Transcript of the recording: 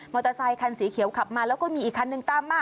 อเตอร์ไซคันสีเขียวขับมาแล้วก็มีอีกคันนึงตามมา